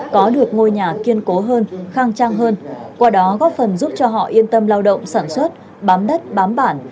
có được ngôi nhà kiên cố hơn khang trang hơn qua đó góp phần giúp cho họ yên tâm lao động sản xuất bám đất bám bản